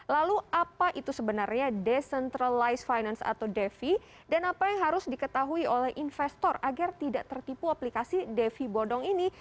lalu apa itu sebenarnya decentralized finance atau defi dan apa yang harus diketahui oleh investor agar tidak tertipu aplikasi devi bodong ini